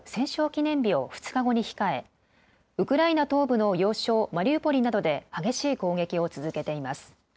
記念日を２日後に控えウクライナ東部の要衝マリウポリなどで激しい攻撃を続けています。